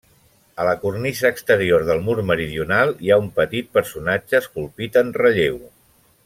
A la cornisa exterior del mur meridional, hi ha un petit personatge esculpit en relleu.